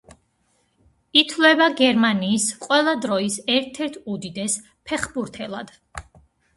ითვლება გერმანიის ყველა დროის ერთ-ერთ უდიდეს ფეხბურთელად.